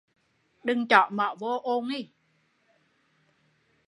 Đừng chõ mỏ vô cho thêm ồn